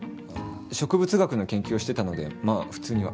植物学の研究をしてたのでまあ普通には。